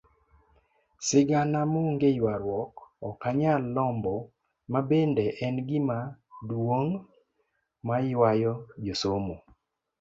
Sigana monge yuaruok okanyal lombo mabende en gima duong' mayuayo josomo.